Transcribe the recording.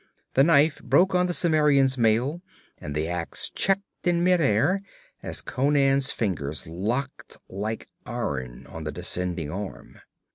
The knife broke on the Cimmerian's mail, and the ax checked in midair as Conan's fingers locked like iron on the descending arm.